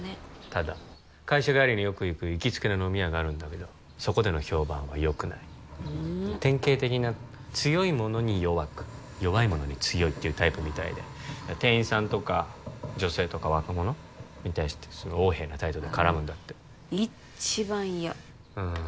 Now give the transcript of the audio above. ただ会社帰りによく行く行きつけの飲み屋があるんだけどそこでの評判はよくないふん典型的な強い者に弱く弱い者に強いっていうタイプみたいでだから店員さんとか女性とか若者に対してすごい横柄な態度で絡むんだって一番嫌うん